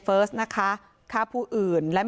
ไม่ตั้งใจครับ